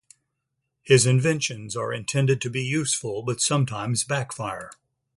His inventions are intended to be useful, but sometimes backfire.